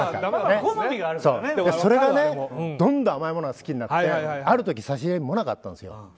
それがねどんどん甘いものが好きになってある時、差し入れにもなかがあったんですよ。